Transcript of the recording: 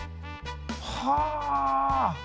はあ。